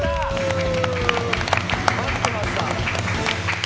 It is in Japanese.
待ってました。